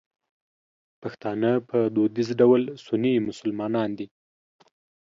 پښتانه په دودیز ډول سني مسلمانان دي.